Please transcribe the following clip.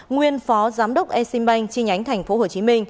nguyên phó giám đốc exim bank chi nhánh tp hcm